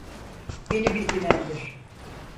Beni bilgilendir.